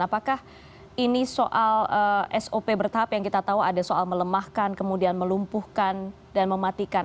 apakah ini soal sop bertahap yang kita tahu ada soal melemahkan kemudian melumpuhkan dan mematikan